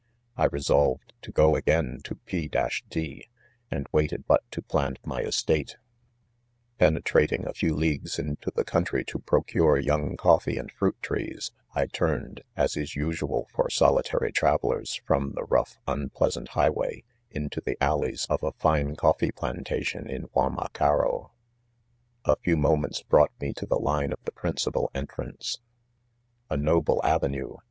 I re solved to go again to P— —a,, and waited but to plant my estate Penetrating a, few leagues into the country T;o procure young coffee and fruit trees, 1 turn ed, as is usual for solitary travellers, from the rough, unpleasant highway, into the, alley s of a fine coffee plantation, J niuanaaearo* A few mfiInentB hrm^gk^ffi^4o 4h# ^ ^^l^^l , "lie principal entrance, A noble a¥eaue